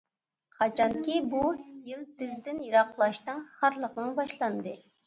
قاچانكى، بۇ يىلتىزدىن يىراقلاشتىڭ، خارلىقىڭ باشلاندى.